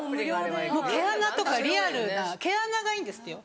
毛穴とかリアルな毛穴がいいんですってよ